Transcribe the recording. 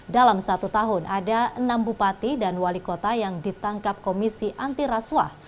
dalam satu tahun ada enam bupati dan wali kota yang ditangkap komisi anti rasuah